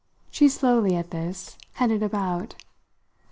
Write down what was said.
She slowly, at this, headed about.